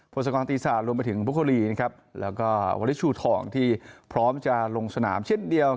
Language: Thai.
บริษัทรวมไปถึงปุโบคอลี้ยินครับแล้วก็วลิสุทองที่พร้อมจะลงสนามชิ้นเดียว